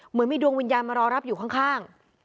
เหมือนมีดวงวิญญาณมารอรับอยู่ข้าง